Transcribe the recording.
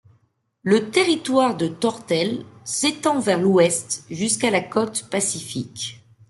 Le territoire de Tortel s'étend vers l'ouest jusqu'à la côte Pacifique.